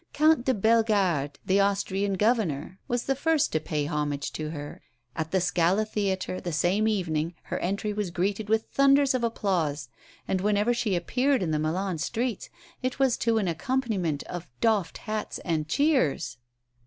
Count di Bellegarde, the Austrian Governor, was the first to pay homage to her; at the Scala Theatre, the same evening, her entry was greeted with thunders of applause, and whenever she appeared in the Milan streets it was to an accompaniment of doffed hats and cheers.